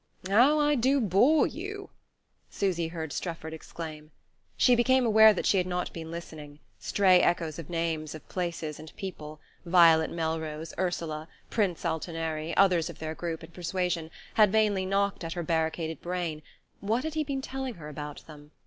"How I do bore you!" Susy heard Strefford exclaim. She became aware that she had not been listening: stray echoes of names of places and people Violet Melrose, Ursula, Prince Altineri, others of their group and persuasion had vainly knocked at her barricaded brain; what had he been telling her about them?